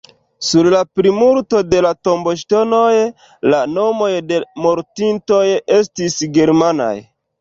Sur la plimulto de la tomboŝtonoj, la nomoj de mortintoj estis germanaj.